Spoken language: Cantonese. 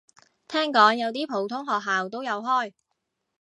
聽講有啲普通學校都有開